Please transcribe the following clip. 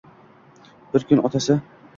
Bir kuni otasi